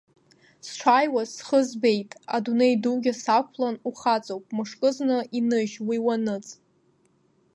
Сшааиуаз схы збеит адунеи дугьы сақәлан, ухаҵоуп, мышкызны иныжь уи, уаныҵ!